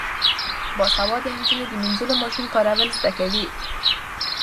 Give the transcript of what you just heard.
باسواده نجونې د مینځلو ماشین کارول زده کوي.